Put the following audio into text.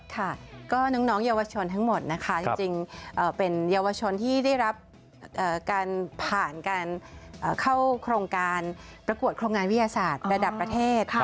ค่ะก็น้องเยาวชนทั้งหมดนะคะจริงเป็นเยาวชนที่ได้รับการผ่านการเข้าโครงการประกวดโครงงานวิทยาศาสตร์ระดับประเทศ